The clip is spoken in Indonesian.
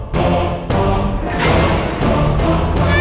tidak ada yang bisa dipercaya